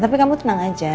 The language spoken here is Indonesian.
tapi kamu tenang aja